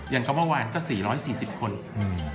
อย่างคำเมื่อวานก็สี่ร้อยสี่สิบคนอืม